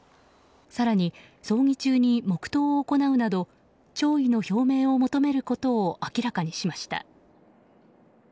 更に葬儀中に黙祷を行うなど弔意の表明を求めることを明らかにしました。